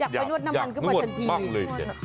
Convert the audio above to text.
อยากไปนวดน้ำมันขึ้นมาทันที